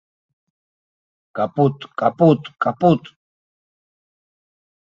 Капут, капут, капут!